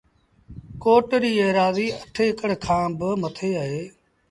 ڪوٽ ريٚ ايرآزيٚ اَٺ اڪڙ ڪآن با مٿي اهي